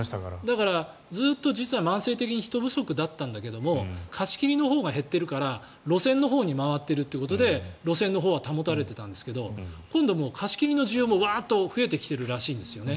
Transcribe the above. だから、ずっと実は慢性的に人手不足だったんだけど貸し切りのほうが減っているから路線のほうに回っているということで路線のほうは回っていたんですけど今度、もう貸し切りの需要もワーッと増えてきているらしいんですね。